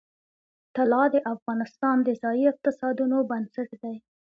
طلا د افغانستان د ځایي اقتصادونو بنسټ دی.